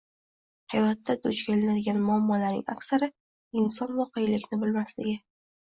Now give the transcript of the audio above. Hayotda duch kelinadigan muammolarning aksari inson voqelikni bilmasligi